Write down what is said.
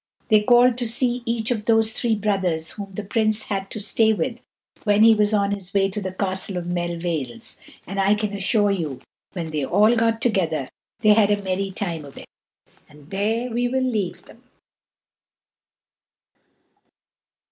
They called to see each of those three brothers whom the Prince had to stay with when he was on his way to the Castle of Melvales; and I can assure you, when they all got together, they had a very merry time of it. And there we will leave them.